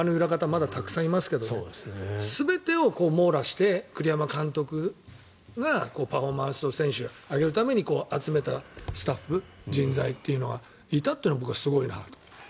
まだたくさんいますけど全てを網羅して栗山監督が選手のパフォーマンスを上げるために集めたスタッフ、人材というのがいたというのは僕はすごいなと。